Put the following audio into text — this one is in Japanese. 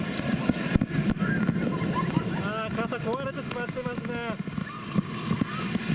ああ、傘壊れてしまっていますね。